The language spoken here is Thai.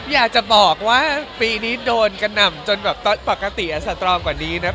อยากจะบอกว่าปีนี้โดนกระหน่ำจนแบบปกติสตรองกว่านี้นะ